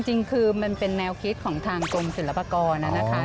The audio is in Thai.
จริงคือมันเป็นแนวคิดของทางกรมศิลปากรนะคะ